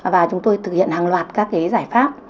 và chúng tôi thực hiện hàng loạt các giải pháp